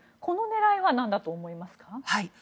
この狙いは何だと思いますか？